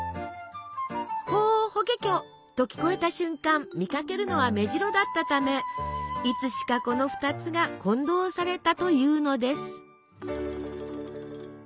「ホーホケキョ」と聞こえた瞬間見かけるのはメジロだったためいつしかこの２つが混同されたというのです。